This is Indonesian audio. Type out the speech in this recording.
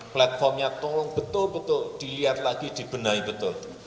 platformnya tolong betul betul dilihat lagi dibenahi betul